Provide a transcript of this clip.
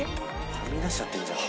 はみ出しちゃってるじゃん。